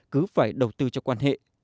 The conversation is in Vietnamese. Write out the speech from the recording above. cứ phải đầu tư cho quan hệ